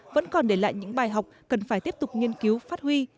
vẫn còn để lại những bài học cần phải tiếp tục nghiên cứu phát huy